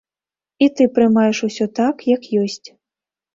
І ты прымаеш усё так, як ёсць.